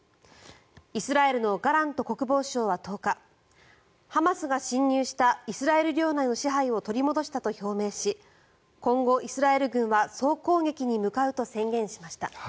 イスラエルのガラント国防相は１０日ハマスが侵入したイスラエル領内の支配を取り戻したと表明し今後、イスラエル軍は総攻撃に向かうと宣言しました。